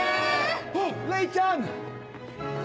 おっレイちゃん！